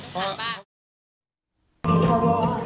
เพราะว่าทุกอย่างต้องถามบ้าง